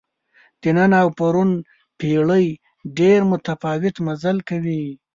د نن او پرون پېړۍ ډېر متفاوت مزل کوي.